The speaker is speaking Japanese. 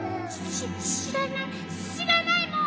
「ししらないしらないもん」